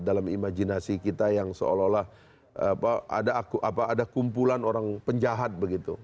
dalam imajinasi kita yang seolah olah ada kumpulan orang penjahat begitu